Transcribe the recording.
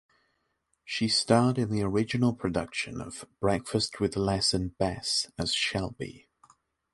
She starred in the original production of "Breakfast with Les and Bess" as Shelby.